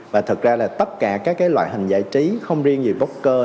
và thật ra là tất cả các loại hình giải trí không riêng gì poker